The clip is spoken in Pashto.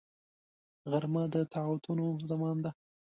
غرمه د طاعتونو زمان ده